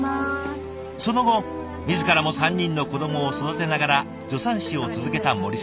その後自らも３人の子どもを育てながら助産師を続けた森さん。